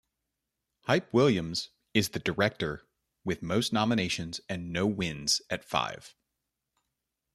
Hype Williams is the director with most nominations and no wins at five.